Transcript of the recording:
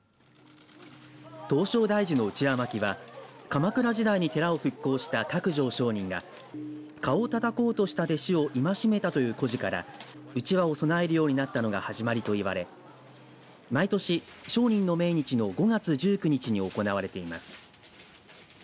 唐招提寺のうちわまきは鎌倉時代に寺を復興した覚盛上人が蚊をたたこうとした弟子を戒めたという故事からうちわを供えるようになったのが始まりといわれ毎年上人の命日の５月１９日に行われています。